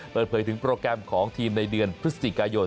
เปิดเผยถึงโปรแกรมของทีมในเดือนพฤศจิกายน